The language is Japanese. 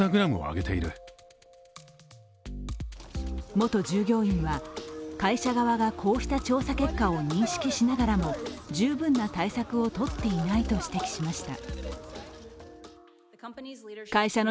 元従業員は、会社側がこうした調査結果を認識しながらも十分な対策をとっていないと指摘しました。